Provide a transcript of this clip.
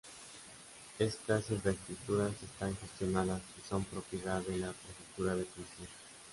Estas infraestructuras están gestionadas y son propiedad de la Prefectura de Policía.